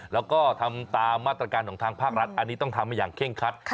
แล้วก็ทำตามมาตรการของทางภาครัฐอันนี้ต้องทำให้อย่างเคร่งคัด